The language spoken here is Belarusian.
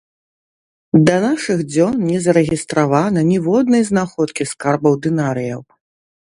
Да нашых дзён не зарэгістравана ніводнай знаходкі скарбаў дынарыяў.